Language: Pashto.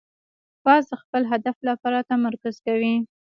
باز د خپل هدف لپاره تمرکز کوي